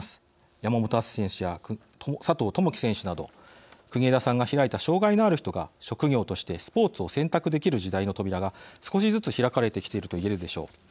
山本篤選手や佐藤友祈選手など国枝さんが開いた障害のある人が職業としてスポーツを選択できる時代の扉が少しずつ開かれてきていると言えるでしょう。